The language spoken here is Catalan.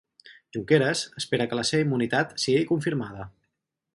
Junqueras espera que la seva immunitat sigui confirmada